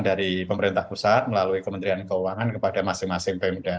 dari pemerintah pusat melalui kementerian keuangan kepada masing masing pemda